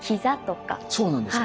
そうなんですよ！